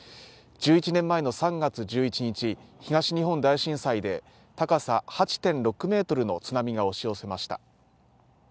１１年前の３月１１日、東日本大震災で高さ８．６ｍの津波が押し寄せました。